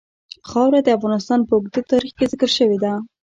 خاوره د افغانستان په اوږده تاریخ کې ذکر شوې ده.